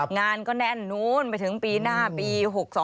งานก็แน่นนู้นไปถึงปีหน้าปี๖๒